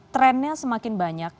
trennya semakin banyak